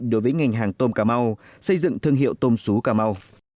đối với ngành hàng tôm cà mau xây dựng thương hiệu tôm sú cà mau